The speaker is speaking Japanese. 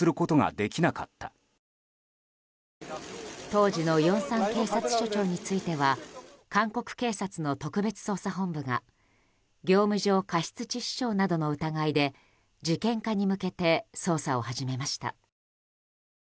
当時のヨンサン警察署長については韓国警察の特別捜査本部が業務上過失致死傷などの疑いで事件化に向けて捜査を始めました。